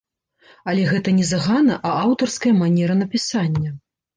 Але гэта не загана, а аўтарская манера напісання.